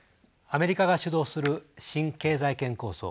アメリカが主導する新経済圏構想